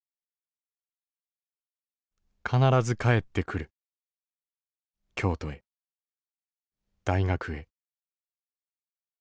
「必ず帰ってくる京都へ大学へ。